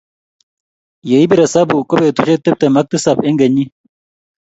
ye ipir esabu ko betushe tepte m ak tisap eng kenyii.